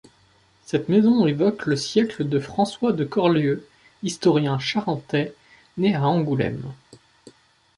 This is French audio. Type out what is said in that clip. Cette maison évoque le siècle de François de Corlieu, historien charentais né à Angoulême.